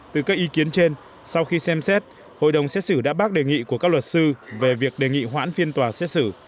từ các ý kiến trên sau khi xem xét hội đồng xét xử đã bác đề nghị của các luật sư về việc đề nghị hoãn phiên tòa xét xử